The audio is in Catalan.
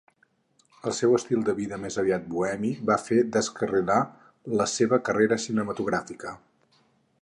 El seu estil de vida més aviat bohemi va fer descarrilar la seva carrera cinematogràfica.